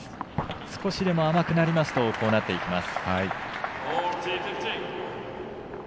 少しでも甘くなるとこうなっていきます。